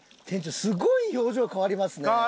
店長すごい表情変わりますね。